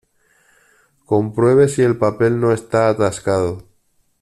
Compruebe si el papel no está atascado.